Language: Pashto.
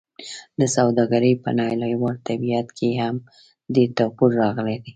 د سوداګرۍ په نړیوال طبیعت کې هم ډېر توپیر راغلی دی.